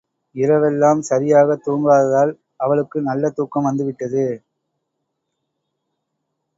இரவெல்லாம் சரியாகத் தூங்காததால் அவளுக்கு நல்ல தூக்கம் வந்துவிட்டது.